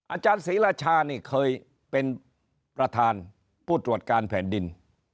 อาจารย์ศรีราชานี่เคยเป็นประธานผู้ตรวจการแผ่นดิน